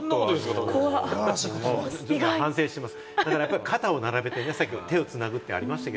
反省してます。